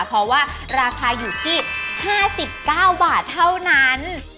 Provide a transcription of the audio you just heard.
เพราะว่าราคาอยู่ที่๕๙บาทเท่านั้น